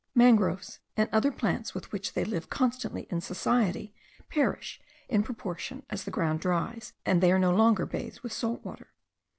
Mangroves, and other plants with which they live constantly in society, perish in proportion as the ground dries and they are no longer bathed with salt water.